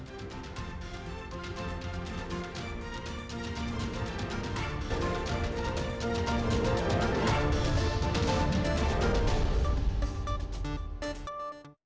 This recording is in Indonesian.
sampai jumpa di